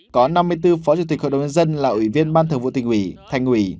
có năm mươi bốn phó chủ tịch hội đồng nhân dân là ủy viên ban thường vụ tỉnh ủy thành ủy